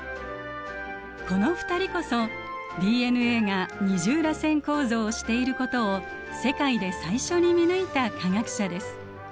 この２人こそＤＮＡが二重らせん構造をしていることを世界で最初に見抜いた科学者です。